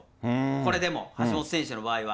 これでも、橋本選手の場合は。